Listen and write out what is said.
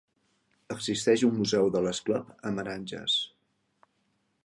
Existeix un Museu de l'Esclop a Meranges.